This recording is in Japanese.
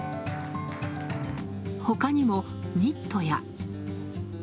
他にも、ニットや。